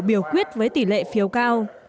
biểu quyết với tỷ lệ phiếu cao